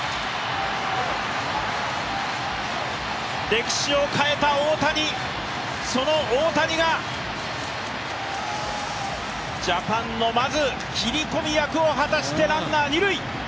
歴史を変えた大谷、その大谷がジャパンのまず、切り込み役を果たしてランナー二塁。